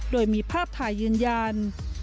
โดยมีภาพถ่ายยืนยัน